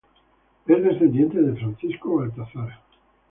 Es descendiente de Francisco Baltazar.